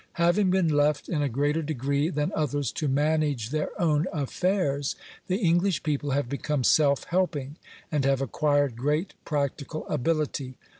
Having been left in a greater degree than others to manage their own affairs, the English people have become self helping, and have acquired great practical ability.